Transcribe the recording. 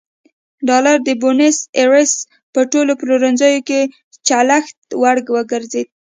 ډالر د بونیس ایرس په ټولو پلورنځیو کې چلښت وړ وګرځېد.